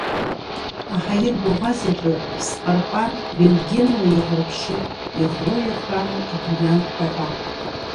Аҳаирбаӷәазаҿы сыпарпар рентгенла иаӷраԥшит, иаӷроу иаӷраму абриллиантқәа ҳәа.